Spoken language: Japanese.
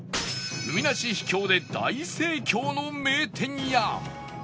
海なし秘境で大盛況の名店や